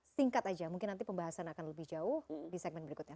singkat aja mungkin nanti pembahasan akan lebih jauh di segmen berikutnya